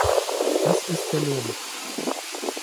Das ist der Lohn.